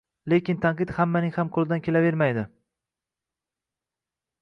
Lekin tanqid hammaning ham qo‘lidan kelavermaydi.